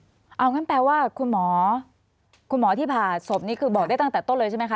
หากว่าเขาจะบอกได้ว่ามันจะแยกได้ไงว่าเป็นการถูกเตะแตกแล้วก็ทำให้เขาเนี้ยอ่าบาดเจ็บ